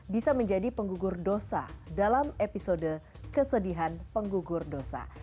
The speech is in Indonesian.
bisa menjadi penggugur dosa dalam episode kesedihan penggugur dosa